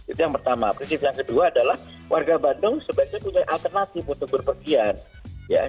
itu yang pertama prinsip yang kedua adalah warga bandung sebaiknya punya alternatif untuk berpergian